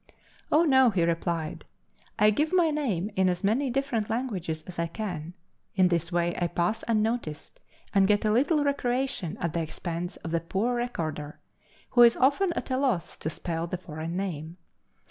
"Oh, no," he replied, "I give my name in as many different languages as I can. In this way I pass unnoticed, and get a little recreation at the expense of the poor recorder, who is often at a loss to spell the foreign name.